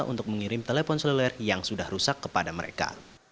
untuk mengirim telepon seluler yang sudah rusak kepada mereka